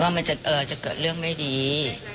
มันจะเกิดเรื่องไม่ดี